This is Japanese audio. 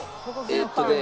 えっとね。